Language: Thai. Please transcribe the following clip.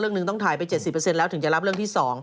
หนึ่งต้องถ่ายไป๗๐แล้วถึงจะรับเรื่องที่๒